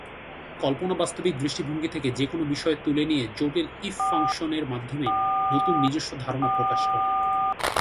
কল্পনা বাস্তবিক দৃষ্টিভঙ্গি থেকে যেকোন বিষয় তুলে নিয়ে জটিল ইফ-ফাংশন এর মাধ্যমে নতুন নিজস্ব ধারণা প্রকাশ করে।